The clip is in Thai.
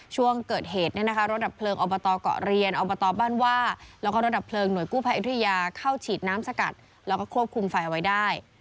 ช่วงเกิดเหตุรถดับเพลิงอบตเกาะเรียนอบตบ้านว่าแล้วก็รถดับเพลิงหน่วยกู้ภัยอยุธยาเข้าฉีดน้ำสกัดแล้วก็ควบคุมไฟเอาไว้ได้